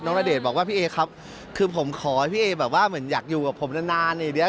น้องณเดชน์บอกว่าพี่เอครับคือผมขอให้พี่เออยากอยู่กับผมนานอย่างนี้